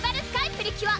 プリキュア